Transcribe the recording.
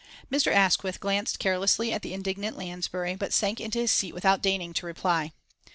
Mr. Asquith glanced carelessly at the indignant Lansbury, but sank into his seat without deigning to reply.